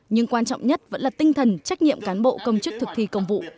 nhưng quan trọng nhất vẫn là tinh thần trách nhiệm cán bộ công chức thực thi công vụ